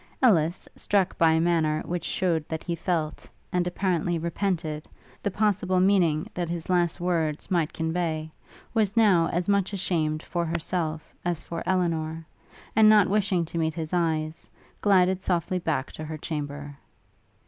Ellis, struck by a manner which shewed that he felt, and apparently, repented the possible meaning that his last words might convey, was now as much ashamed for herself as for Elinor; and not wishing to meet his eyes, glided softly back to her chamber.